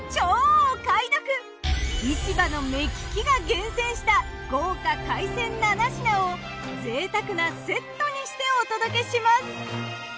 市場の目利きが厳選した豪華海鮮７品を贅沢なセットにしてお届けします。